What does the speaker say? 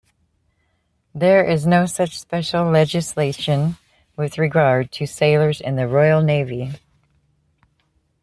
There is no such special legislation with regard to sailors in the Royal Navy.